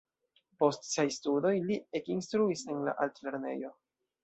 Post siaj studoj li ekinstruis en la altlernejo.